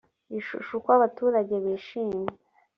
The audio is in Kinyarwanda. ishusho uko abaturage bishimiye